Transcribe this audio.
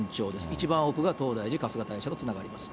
一番奥が東大寺、春日大社とつながります。